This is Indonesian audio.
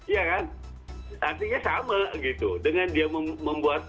iya kan artinya sama gitu dengan dia membuat